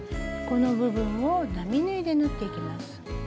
この部分を並縫いで縫っていきます。